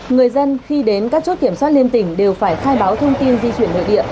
người dân khi đến các chốt kiểm soát liên tỉnh đều phải khai báo thông tin di chuyển nội địa